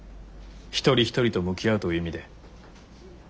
一人一人と向き合うという意味で。